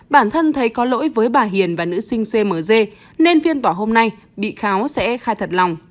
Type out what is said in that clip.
bản thân thấy có lỗi với bà hiền và nữ sinh cmg nên phiên tòa hôm nay bị cáo sẽ khai thật lòng